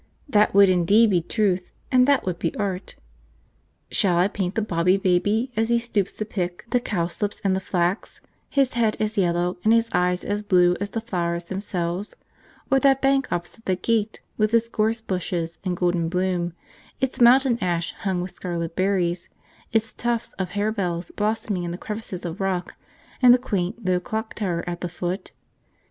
That would indeed be truth, and that would be art. Shall I paint the Bobby baby as he stoops to pick the cowslips and the flax, his head as yellow and his eyes as blue as the flowers themselves; or that bank opposite the gate, with its gorse bushes in golden bloom, its mountain ash hung with scarlet berries, its tufts of harebells blossoming in the crevices of rock, and the quaint low clock tower at the foot?